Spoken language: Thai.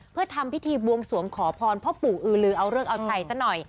เพื่อทำพิธีบวงสวมขอพรเพราะปู่อซื้ออื๋อเริ่งออบชัยซักหน่อย